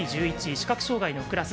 視覚障がいのクラス